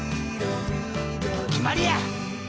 決まりや！